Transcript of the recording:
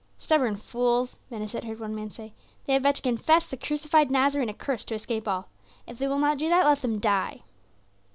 "Stubborn fools," Ben Hesed heard one man say. "They have but to confess the crucified Nazarene accursed, to escape all. If they will not do that, let them die."